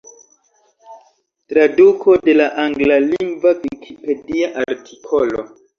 Traduko de la anglalingva vikipedia artikolo.